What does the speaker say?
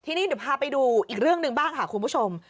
ทีนี้เดี๋ยวพาไปดูอีกเรื่องหนึ่งบ้างค่ะคุณผู้ชม